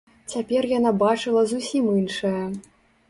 Цяпер яна бачыла зусім іншае.